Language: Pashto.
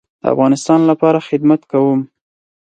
د افغانستان لپاره خدمت کوم